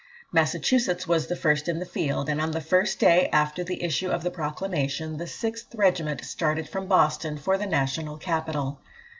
Massachusetts was first in the field; and on the first day after the issue of the proclamation, the 6th Regiment started from Boston for the national capital.